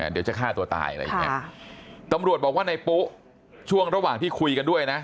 เดี๋ยวจะฆ่าตัวตายตำรวจบอกว่านายปุ๊ช่วงระหว่างที่คุยกันด้วยนะ